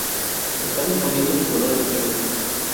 Está disponible en colores negro.